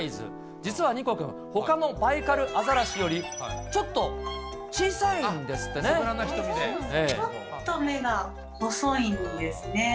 実はニコくん、ほかのバイカルアザラシよりちょっと小さいんですちょっと目が細いんですね。